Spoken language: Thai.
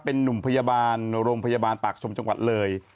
เป็นนุ่มพยาบาลโรงพยาบาลปากชมจังหวัดเลย